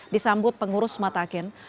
disambut pengurus mataken